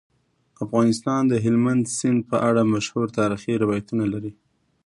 افغانستان د هلمند سیند په اړه مشهور تاریخی روایتونه لري.